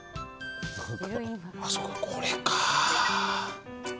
そうか、これか。